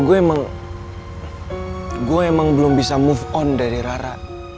gue emang belum bisa move on dari rara